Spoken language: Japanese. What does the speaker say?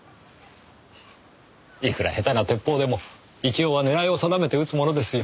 いくら下手な鉄砲でも一応は狙いを定めて撃つものですよ。